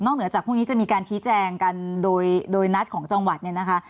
เหนือจากพรุ่งนี้จะมีการชี้แจงกันโดยนัดของจังหวัดเนี่ยนะคะ